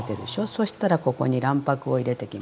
そしたらここに卵白を入れてきます。